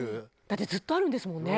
だってずっとあるんですもんね。